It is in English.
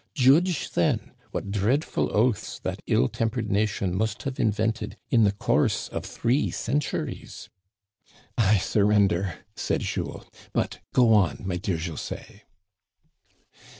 Judge, then, what dreadful oaths that ill tempered nation must have invented in the course of three centuries !" "I surrender," said Jules. "But go on, my dear José."